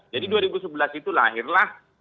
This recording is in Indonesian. jadi dua ribu sebelas itu lahirlah